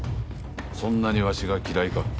そんなにわしが嫌いか？